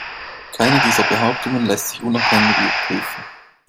Keine dieser Behauptungen lässt sich unabhängig überprüfen.